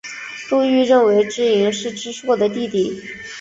杜预认为知盈是知朔的弟弟。